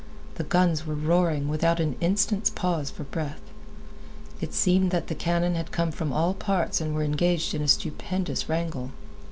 The guns were roaring without an instant's pause for breath. It seemed that the cannon had come from all parts and were engaged in a stupendous wrangle.